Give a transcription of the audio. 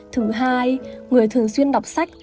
thứ hai người thường xuyên đọc sách